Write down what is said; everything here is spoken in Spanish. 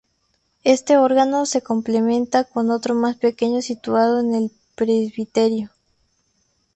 Este órgano se complementa con otro más pequeño situado en el presbiterio.